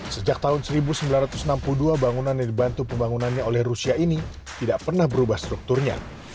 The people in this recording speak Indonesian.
sejak tahun seribu sembilan ratus enam puluh dua bangunan yang dibantu pembangunannya oleh rusia ini tidak pernah berubah strukturnya